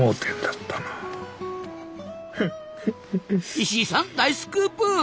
石井さん大スクープ！